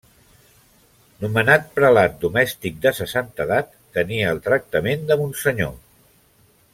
Nomenat prelat domèstic de sa santedat, tenia el tractament de monsenyor.